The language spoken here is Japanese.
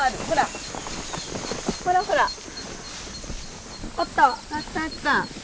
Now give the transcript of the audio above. ほらほら。